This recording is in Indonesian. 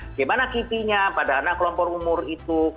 bagaimana kipinya pada anak kelompok umur itu